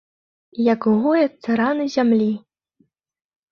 Як гояцца раны зямлі!